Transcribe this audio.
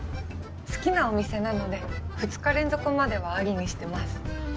好きなお店なので２日連続までは有りしてます。